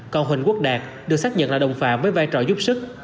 còn huỳnh quốc đạt được xác nhận là đồng phạm với vai trò giúp sức